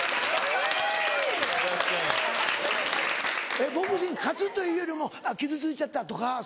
えっボクシング勝つというよりも「あっ傷ついちゃった」とか？